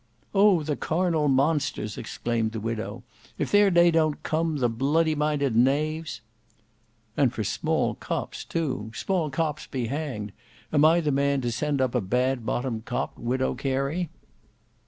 "Oh! the carnal monsters!" exclaimed the widow. "If their day don't come, the bloody minded knaves!" "And for small cops, too! Small cops be hanged! Am I the man to send up a bad bottomed cop, Widow Carey?"